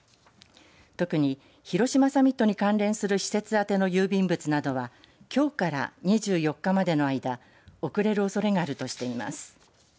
特に、広島サミットに関連する施設宛ての郵便物などはきょうから２４日までの間遅れるおそれがあるとしています。